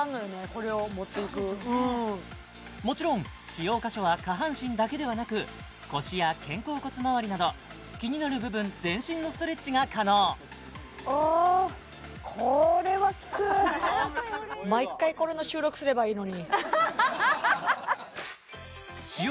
これを持っていくもちろん使用箇所は下半身だけではなく腰や肩甲骨まわりなど気になる部分全身のストレッチが可能使用